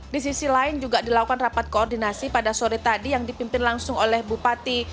di sisi lain juga dilakukan rapat koordinasi pada sore tadi yang dipimpin langsung oleh bupati